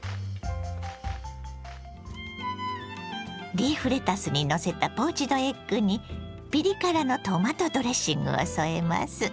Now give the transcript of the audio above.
リーフレタスにのせたポーチドエッグにピリ辛のトマトドレッングを添えます。